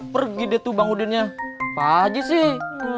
pergi deh tuh bang udinnya pak aji sih